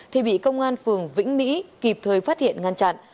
thì bị công an phường vĩnh mỹ kịp thời phát hiện ngăn chặn